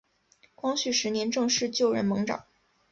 光绪十年正式就任盟长。